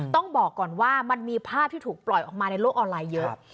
ต้องบอกก่อนว่ามันมีภาพที่ถูกปล่อยออกมาในโลกออนไลน์เยอะ